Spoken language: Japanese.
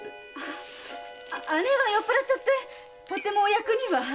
義姉は酔っぱらっちゃってとてもお役には。